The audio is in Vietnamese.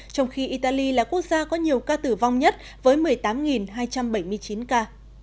trong khi italy là quốc gia có nhiều ca tử vong nhất với một mươi tám hai trăm bảy mươi chín ca